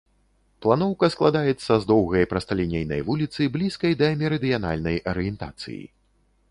Планоўка складаецца з доўгай прасталінейнай вуліцы, блізкай да мерыдыянальнай арыентацыі.